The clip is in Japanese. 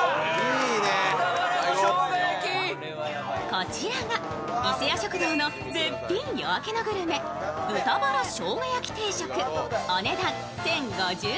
こちらが伊勢屋食堂の絶品夜明けのグルメ豚バラ生姜焼定食、お値段１０５０円。